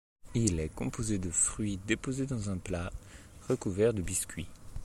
Il est composé de fruits déposés dans un plat, recouverts de biscuits.